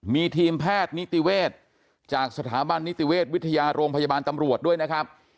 มีทีมแพทย์นิติเวศจากสถาบันนิติเวชวิทยาโรงพยาบาลตำรวจด้วยนะครับ